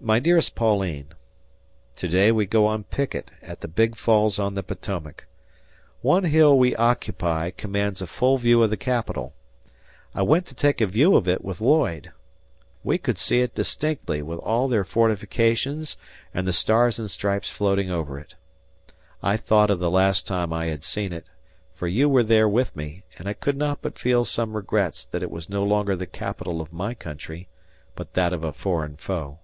My dearest Pauline: ... To day we go on picket at the Big Falls on the Potomac. One hill we occupy commands a full view of the Capitol. I went to take a view of it with Lloyd. We could see it distinctly, with all their fortifications and the stars and stripes floating over it. I thought of the last time I had seen it, for you were there with me, and I could not but feel some regrets that it was no longer the Capitol of my Country, but that of a foreign foe.